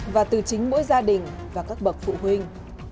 và từ chính mỗi gia đình và các bậc phụ huynh